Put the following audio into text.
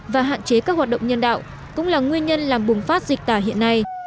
và hạn chế các hoạt động nhân đạo cũng là nguyên nhân làm bùng phát dịch tả hiện nay